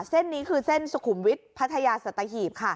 เส้นนี้คือเส้นสุขุมวิทย์พัทยาสัตหีบ